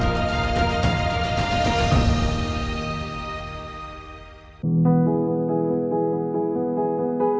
bagaimana rasanya komunikasi tanpa pokok